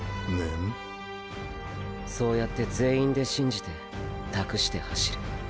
そうやって全員で信じて託して走る。